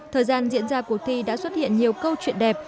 thời gian diễn ra cuộc thi đã xuất hiện nhiều câu chuyện đẹp